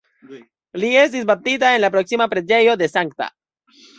Li estis baptita en la proksima preĝejo de Sankta.